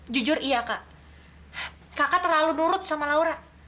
jujur iya kak kakak terlalu nurut sama laura